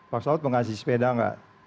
pak saud mau kasih sepeda nggak